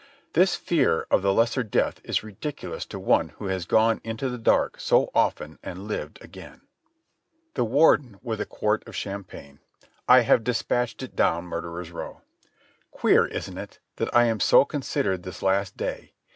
This fear of the lesser death is ridiculous to one who has gone into the dark so often and lived again. ... The Warden with a quart of champagne. I have dispatched it down Murderers Row. Queer, isn't it, that I am so considered this last day.